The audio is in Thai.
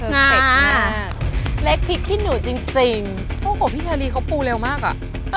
อ่าเล็กพริกขี้หนูจริงโอ้โหพี่เชอรี่เขาปูเร็วมากอ่ะ